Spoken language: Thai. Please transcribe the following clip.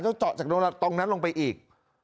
เจาะจากตรงนั้นลงไปอีก